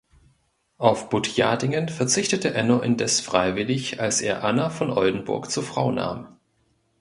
Auf Butjadingen verzichtete Enno indes freiwillig, als er Anna von Oldenburg zur Frau nahm.